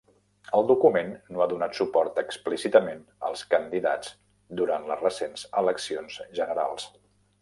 El document no ha donat suport explícitament als candidats durant les recents eleccions generals.